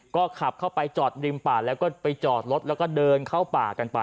ก็ขับเข้าไปจอดริมป่าแล้วก็ไปจอดรถแล้วก็เดินเข้าป่ากันไป